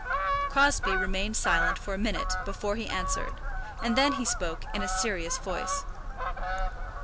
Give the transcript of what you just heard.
Crosbie remained silent for a minute before he answered, and then he spoke in a serious voice.